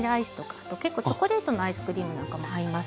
あと結構チョコレートのアイスクリームなんかも合います。